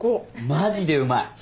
マジでうまい！